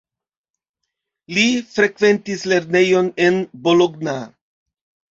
Li frekventis lernejon en Bologna.